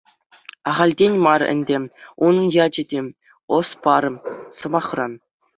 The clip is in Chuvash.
Ахальтен мар ӗнтӗ унӑн ячӗ те — «ӑс пар» сӑмахран.